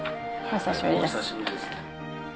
お久しぶりです。